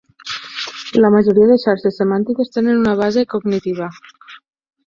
La majoria de xarxes semàntiques tenen una base cognitiva.